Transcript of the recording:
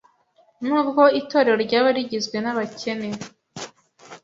Nubwo itorero ryaba rigizwe n’abakene,